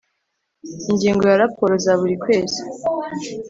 ingingo ya raporo za buri kwezi